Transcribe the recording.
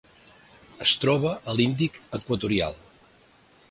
Es troba a l'Índic equatorial.